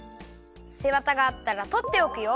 せわたがあったらとっておくよ。